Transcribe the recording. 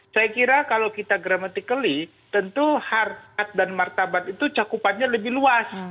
saya kira kalau kita gramatically tentu harkat dan martabat itu cakupannya lebih luas